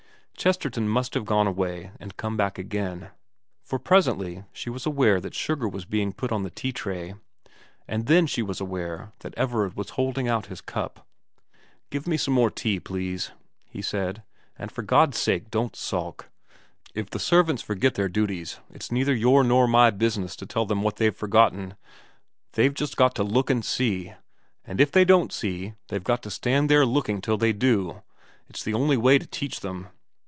Chesterton must have gone away and come back again, for presently she was aware that sugar was being put on the tea tray ; and then she was aware that Everard was holding out his cup. * Give me some more tea, please,' he said, ' and for God's sake don't sulk. If the servants forget their duties it's neither your nor my business to tell them what they've forgotten, they've just got to look and see, and if they don't see they've just got to stand there looking till they do. It's the only way to teach them.